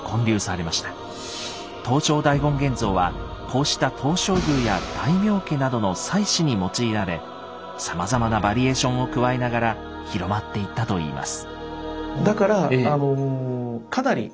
「東照大権現像」はこうした東照宮や大名家などの祭祀に用いられさまざまなバリエーションを加えながら広まっていったといいます。